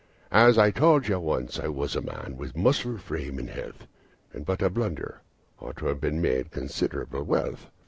As I told you, once I was a man, with muscle, frame, and health, And but for a blunder ought to have made considerable wealth.